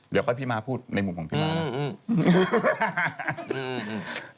เดี๋ยวค่อยพี่มาพูดในมุมของพี่ม้านะ